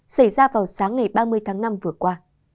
xảy ra vào sáng ngày ba mươi tháng năm vừa qua